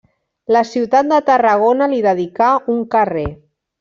La ciutat de Tarragona li dedicà un carrer.